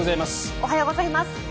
おはようございます。